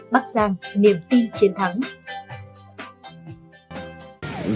bắc giang niềm tin chiến thắng